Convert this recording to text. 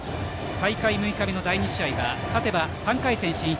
大会６日目の第２試合は勝てば３回戦進出。